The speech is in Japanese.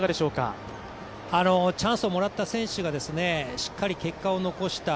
チャンスをもらった選手がしっかり結果を残した。